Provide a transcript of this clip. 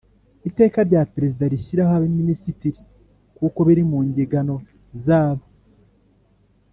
Iteka rya Perezida rishyiraho abaminisitiri kuko biri musgingano zabo